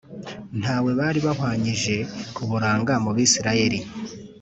Nta we bari bahwanyije uburanga mu Bisirayeli